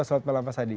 selamat malam mas adi